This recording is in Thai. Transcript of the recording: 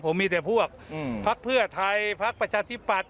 ผมมีแต่พวกพลักษณ์เพื่อไทยพลักษณ์ประชาธิบัตร